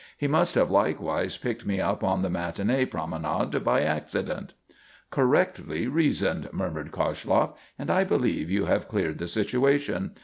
He must have likewise picked me up on the matinée promenade by accident." "Correctly reasoned," murmured Koshloff. "And I believe you have cleared the situation.